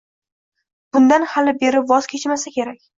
Bundan hali-beri voz kechmasa kerak.